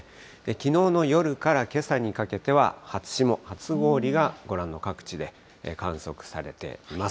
きのうの夜からけさにかけては初霜、初氷がご覧の各地で観測されています。